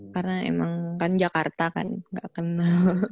karena emang kan jakarta kan gak kenal